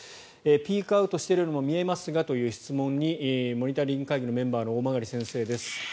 ピークアウトしているようにも見えますがという質問にモニタリング会議のメンバーの大曲先生です。